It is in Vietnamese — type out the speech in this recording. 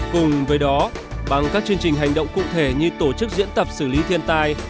cùng với đó bằng các chương trình hành động cụ thể như tổ chức diễn tập xử lý thiên tai